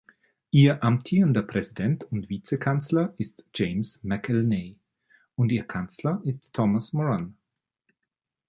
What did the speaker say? Ihr amtierender Präsident und Vize-Kanzler ist James McElnay und ihr Kanzler ist Thomas Moran.